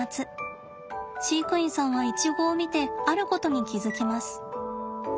飼育員さんはイチゴを見てあることに気付きます。